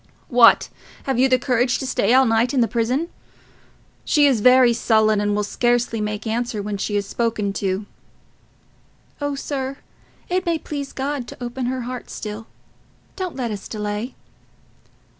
"What! Have you courage to stay all night in the prison? She is very sullen, and will scarcely make answer when she is spoken to." "Oh, sir, it may please God to open her heart still. Don't let us delay."